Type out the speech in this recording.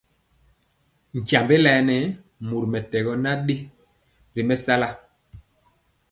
Tyiembé laɛ nɛ mori mɛtɛgɔ nan dɛ ri mɛsala.